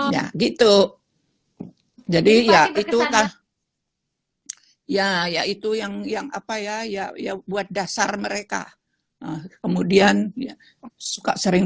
ya gitu jadi ya itu kan ya ya itu yang yang apa ya ya buat dasar mereka kemudian ya suka sering